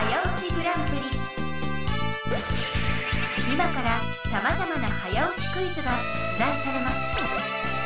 今からさまざまな早押しクイズが出題されます。